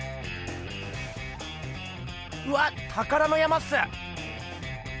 うわったからの山っす！